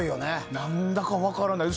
なんだか分からない。